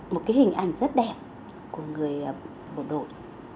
một cái hình ảnh rất đẹp của người bộ đội